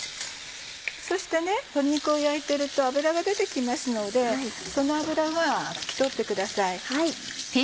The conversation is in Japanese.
そして鶏肉を焼いていると脂が出て来ますのでその脂は拭き取ってください。